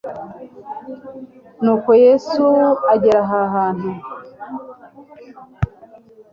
Nuko Yesu agera ahantu